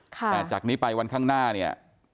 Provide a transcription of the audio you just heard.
แต่จากนี้ไปวันข้างหน้าเนี่ย